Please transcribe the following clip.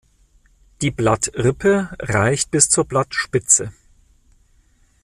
Die Blattrippe reicht bis zur Blattspitze.